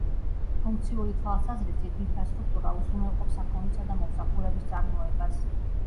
ფუნქციური თვალსაზრისით, ინფრასტრუქტურა უზრუნველყოფს საქონლისა და მომსახურების წარმოებას.